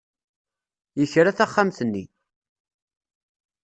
Yekra taxxamt-nni.